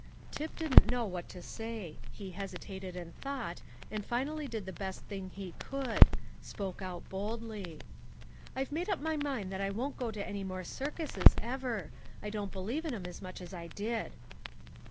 Tip didn't know what to say; he hesitated and thought, and finally did the best thing he could, spoke out boldly. "I've made up my mind that I won't go to any more circuses, ever! I don't believe in 'em as much as I did."